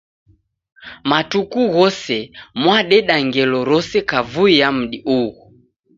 Matuku ghose mwadeda ngelo rose kavui ya mudi ughu.